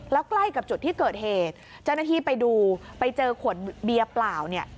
แล้วใกล้กับจุดที่เกิดเหตุเจ้าหน้าที่ไปดูไปเจอขวดเบียร์เปล่าเนี่ย